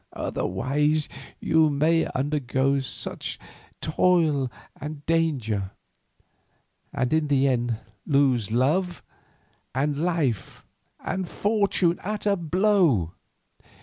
Otherwise you may undergo much toil and danger, and in the end lose love, and life, and fortune at a blow."